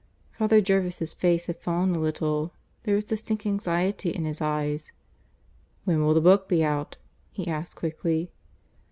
Father Jervis' face had fallen a little. There was distinct anxiety in his eyes. "When will the book be out?" he asked quickly.